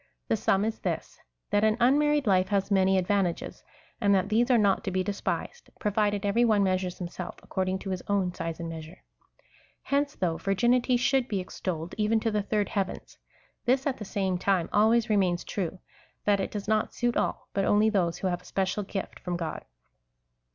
The sum is this, that an unmarried life has many advantages, and that these are not to be despised, provided every one measures himself according to his own size and measure. ^ Hence, though virginity should be ex tolled even to the third heavens, this, at the same time, always remains true — that it does not suit all, but only those who have a special gift from God.